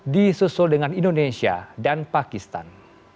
di susul dengan indonesia dan pakistan